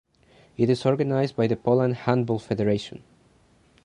It is organized by the Poland Handball Federation.